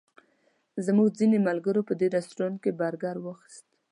زموږ ځینو ملګرو په دې رسټورانټ کې برګر واخیستل.